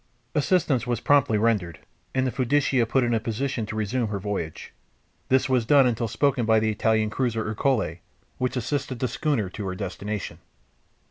Assistance was promptly rendered, and the Fiducia put in a position to resume her voyage. This was done until spoken by the Italian cruiser Ercole, which assisted the schooner to her destination.